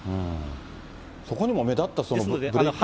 そこにも目立った。